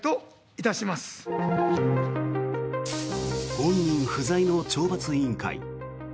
本人不在の懲罰委員会。